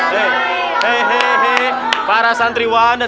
hehehe para santriwan dan